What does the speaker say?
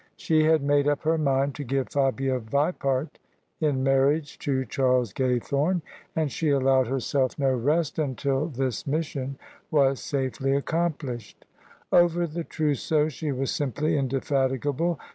She had made up her mind to give Fabia Vipart in marriage to Charles Gaythome; and she allowed herself no rest until this mission was safely accomplished. Over the trousseau she was simply indefatigable.